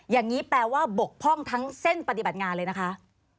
อย่างนี้แปลว่าบกพร่องทั้งเส้นปฏิบัติงานเลยนะคะ